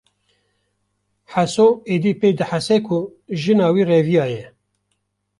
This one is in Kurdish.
Heso êdî pê dihese ku jina wî reviyaye